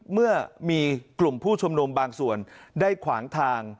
เมื่อมีกลุ่มผู้ชุมนุมบางส่วนได้ขวางทาง